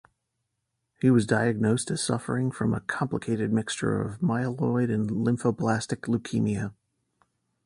He was diagnosed as suffering from a complicated mixture of myeloid and lymphoblastic leukaemia.